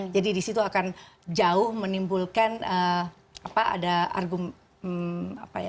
jadi disitu akan jauh menimbulkan apa ada argumen apa ya